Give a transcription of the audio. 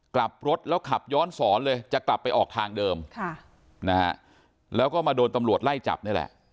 กลับรถแล้วขับย้อนสอนเลยจะกลับไปออกทางเดิมค่ะนะฮะแล้วก็มาโดนตำรวจไล่จับนี่แหละ